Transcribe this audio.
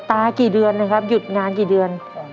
กี่เดือนนะครับหยุดงานกี่เดือน